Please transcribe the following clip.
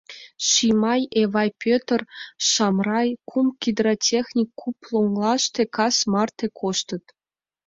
Шимай, Эвай Пӧтыр, Шамрай, кум гидротехник куп лоҥгаште кас марте коштыт.